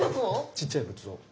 ちっちゃい仏像。